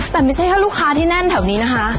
แต่ไม่ใช่แค่ลูกค้าที่แน่นแถวนี้นะคะ